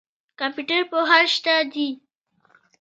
کمپیوټر پوهان شته دي.